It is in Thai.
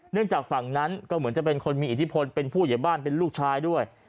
จากฝั่งนั้นก็เหมือนจะเป็นคนมีอิทธิพลเป็นผู้ใหญ่บ้านเป็นลูกชายด้วย